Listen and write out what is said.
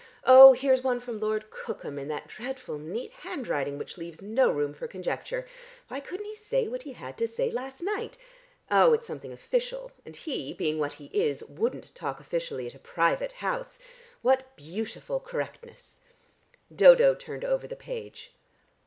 Oh, here's one from Lord Cookham in that dreadful neat handwriting which leaves no room for conjecture. Why couldn't he say what he had to say last night? Oh, it's something official, and he, being what he is, wouldn't talk officially at a private house. What beautiful correctness!" Dodo turned over the page.